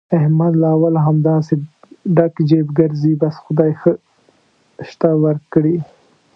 احمد له اوله همداسې ډک جېب ګرځي، بس خدای ښه شته ورکړي.